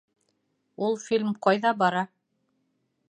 Ул фильм ҡайҙа бара?